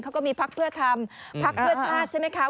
เขาก็มีพักเพื่อทำพักเพื่อชาติใช่ไหมคะ